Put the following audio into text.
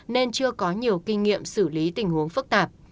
nên chưa có nhiều kinh nghiệm xử lý tình huống phức tạp